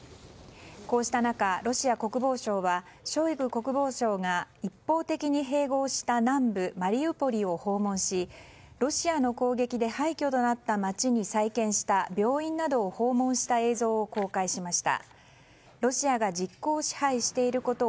こうした中、ロシア国防省はショイグ国防相が一方的に併合した南部マリウポリを訪問しロシアの攻撃で廃墟となった街に再建した病院などを訪問した映像を公開しました。